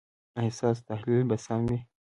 ایا ستاسو تحلیل به سم وي؟